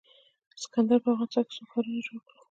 اسکندر په افغانستان کې څو ښارونه جوړ کړل